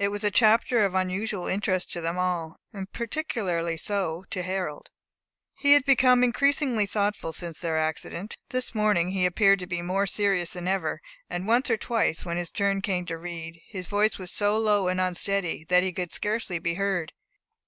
It was a chapter of unusual interest to them all, and particularly so to Harold. He had become increasingly thoughtful since their accident. This morning he appeared to be more serious than ever, and once or twice, when his turn came to read, his voice was so low and unsteady, that he could scarcely be heard.